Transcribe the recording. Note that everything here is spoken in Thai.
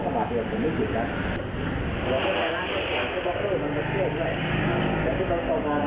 ผมไม่ออกการณ์ในสถานการณ์เดียวผมไม่คิดกัน